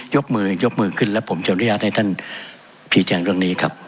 ยกมือยกมือขึ้นแล้วผมจะอนุญาตให้ท่านชี้แจงเรื่องนี้ครับ